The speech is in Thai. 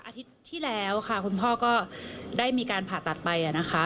อาทิตย์ที่แล้วค่ะคุณพ่อก็ได้มีการผ่าตัดไปนะคะ